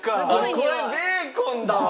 これベーコンだわ。